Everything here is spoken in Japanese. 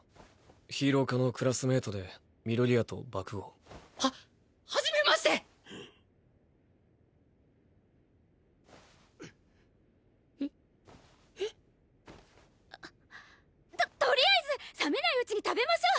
ヒーロー科のクラスメートで緑谷と爆豪。は初めまして。ととりあえず冷めないうちに食べましょう。